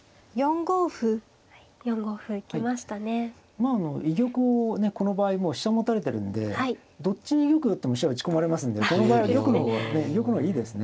まああの居玉をこの場合もう飛車持たれてるんでどっちに玉寄っても飛車打ち込まれますんでこの場合は居玉の方がいいですね。